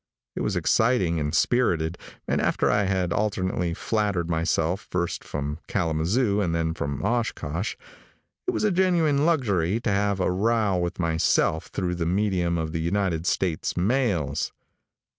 It was exciting and spirited, and after I had alternately flattered myself first from Kalamazoo and then from Oshkosh, it was a genuine luxury to have a row with myself through the medium of the United States mails.